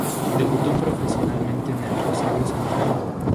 Debutó profesionalmente en Rosario Central.